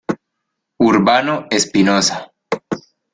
Urbano Espinosa.